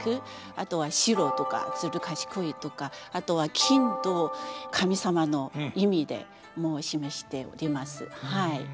あとは白とかずる賢いとかあとは金神様の意味で示しております。